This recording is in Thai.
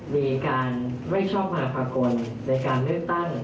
มีการไม่ชอบมาภากลในการเลือกตั้ง